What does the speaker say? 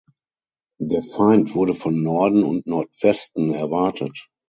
Der Feind wurde von Norden und Nordwesten erwartet.